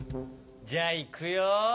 じゃあいくよ！